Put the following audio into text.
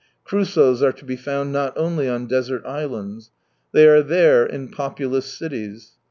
Crusoes are to be found not only on desert islands. They are there, in populous cities.